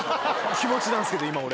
気持ちなんですけど、今、俺。